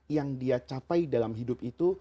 yang dia capai dalam hidup itu